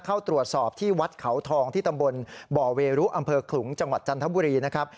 เข้าตรวจสอบที่วัดเขาทองที่ตำบลบ่อเวรุอำเภอขลุงจังหวัดจันทบุรีนะครับ